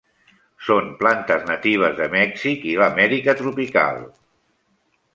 Són plantes natives de Mèxic i a l'Amèrica tropical.